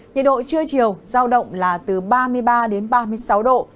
nhiệt độ trưa chiều giao động là từ ba mươi ba đến ba mươi sáu độ